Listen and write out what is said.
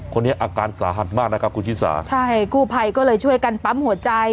คนนี้อาการสาหัสมากนะครับคุณชิสาใช่กู้ภัยก็เลยช่วยกันปั๊มหัวใจ